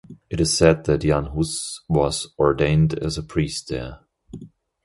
It is said that Jan Hus was ordained as a priest there.